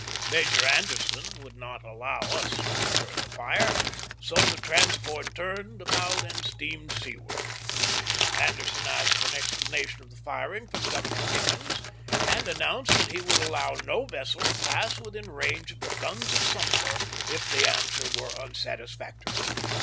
Major Anderson would not allow us to return the fire, so the transport turned, about and steamed seaward. Ander son asked for an explanation of the firing from Governor Pickens, and announced that he would allow no vessel to pass within range of the guns of Suinter if the answer was unsatisfactory.